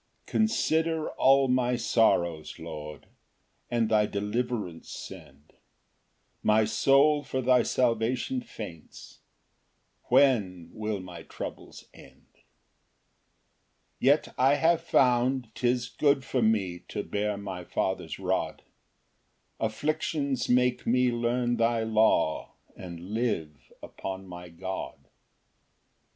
Ver. 153 81 82. 1 Consider all my sorrows, Lord, And thy deliverance send; My soul for thy salvation faints, When will my troubles end? Ver. 71. 2 Yet I have found, 'tis good for me To bear my Father's rod; Afflictions make me learn thy law, And live upon my God. Ver. 50.